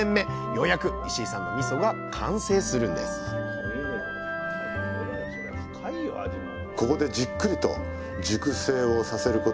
ようやく石井さんのみそが完成するんですそうですね。